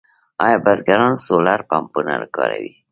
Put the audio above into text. آیا بزګران سولر پمپونه کاروي؟